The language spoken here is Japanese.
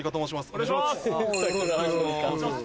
お願いします！